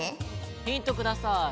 ヒントください。